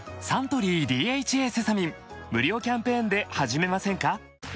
サントリー「ＤＨＡセサミン」無料キャンペーンで始めませんか？